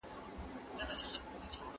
د نجونو لیلیه په غلطه توګه نه تشریح کیږي.